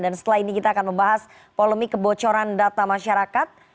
dan setelah ini kita akan membahas polemik kebocoran data masyarakat